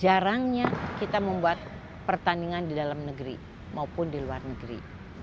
jarangnya kita membuat pertandingan di dalam negeri maupun di luar negeri